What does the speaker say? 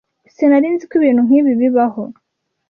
Sinari nzi ko ibintu nkibi bibaho.